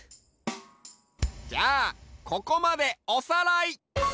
じゃあここまでおさらい！